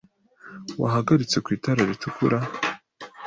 Wahagaritse ku itara ritukura?